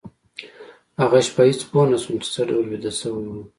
هغه شپه هېڅ پوه نشوم چې څه ډول ویده شوي وو